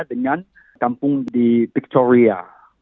dengan kampung di victoria